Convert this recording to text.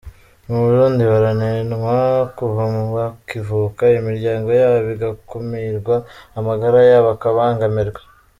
Mu Burundi, baranenwa kuva bakivuka; imiryango yabo igakumirwa, amagara yabo akabangamirwa.